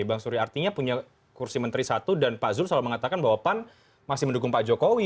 bang surya artinya punya kursi menteri satu dan pak zul selalu mengatakan bahwa pan masih mendukung pak jokowi